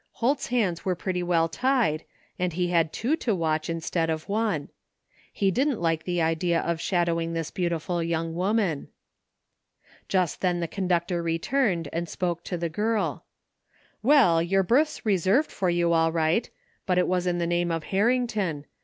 Holt's hands were pretty well tied and he had two to watch instead of one. He didn't like the idea of shadowing this beautiful young woman. Just then the conductor returned and spoke to the girL " Well, your berth's reserved for you all right, but it was in the name of Harrington.